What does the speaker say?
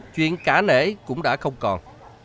chuyện cả nể cũng đã không còn